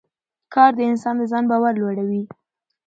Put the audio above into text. کار د انسان د ځان باور لوړوي